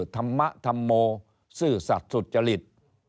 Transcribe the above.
ธรรมธรรโมซื่อสัตว์สุจริต